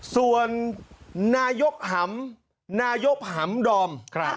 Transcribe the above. ส่วนนายกหำนายกหำดอม